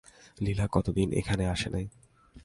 লীলা কতদিন এখানে আসে নাই!